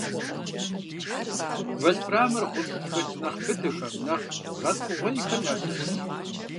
Вольфрамыр гъущӏхэкӏ нэхъ быдэхэм, нэхъ гъэткӏугъуейхэм ящыщщ.